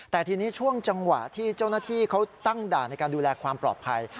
แต่ทีนี้ช่วงจังหวะที่เจ้าหน้าที่เขาตั้งด่านในการดูแลความปลอดภัย